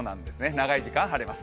長い時間、晴れます。